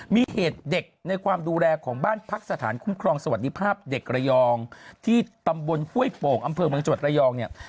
มีเหตุเด็กในความดูแลของบ้านพักสถานคุ้มครองสวัสดิภาพเด็กระยองที่ตำบลห้วยโป่งอำเภอเมืองจังหวัดระยองเนี่ย